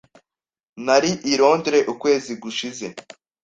Nari i Londres ukwezi gushize.